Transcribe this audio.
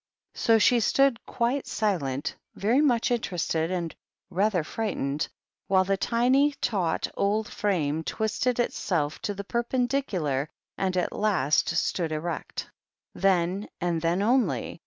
So she stood quite silent, very much interested and rather frightened, while the tiny, taut old frame twisted itself to the perpendicular, and at last stood erect. Then, and then only.